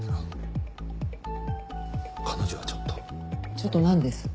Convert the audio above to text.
ちょっとなんです？